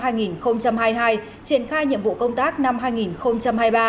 triển khai nhiệm vụ công tác năm hai nghìn hai mươi ba